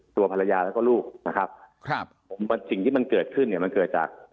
ตัวภรรยาแล้วก็ลูกนะครับครับผมว่าสิ่งที่มันเกิดขึ้นเนี่ยมันเกิดจาก